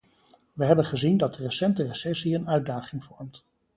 We hebben gezien dat de recente recessie een uitdaging vormt.